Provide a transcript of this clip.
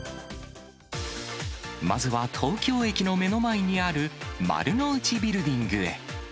まずは東京駅の目の前にある丸の内ビルディングへ。